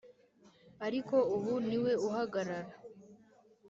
ariko ubu niwe uhagarara,